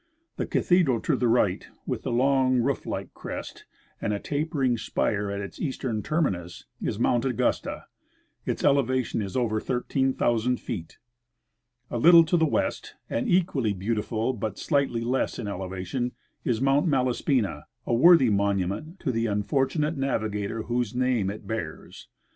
The cathedral to the right, with the long roof like crest and a tapering spire at its eastern terminus, is Mount Augusta ; its elevation is over 13,000 feet. A little to the west, and equally beautiful but slightly less in elevation, is Mount Malaspina — a Avorthy monument to the unfortunate navigator whose name it bears.